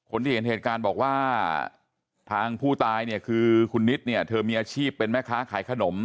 เห็นเหตุการณ์บอกว่าทางผู้ตายเนี่ยคือคุณนิดเนี่ยเธอมีอาชีพเป็นแม่ค้าขายขนม